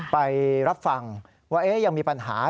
ไปรับฟังว่ายังมีปัญหา